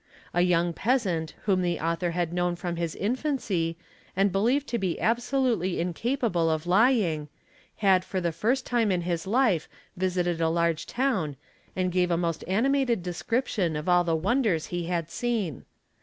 A young peasant whom the author had known from his infancy and believed to be absolutely incapable of lying, had for the first time in his life visited a large town and gave a most animated description of all the wonders he had seen.